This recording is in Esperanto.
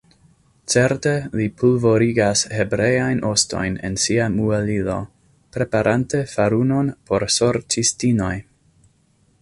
Certe, li pulvorigas hebreajn ostojn en sia muelilo, preparante farunon por sorĉistinoj!